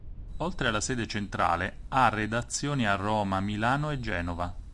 Oltre alla sede centrale, ha redazioni a Roma, Milano e Genova.